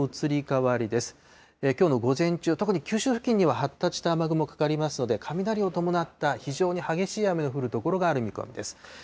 きょうの午前中、特に九州付近には発達した雨雲かかりますので、雷を伴った非常に激しい雨の降る所がある見込みです。